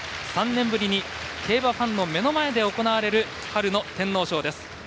３年ぶりに競馬ファンの目の前で行われる春の天皇賞です。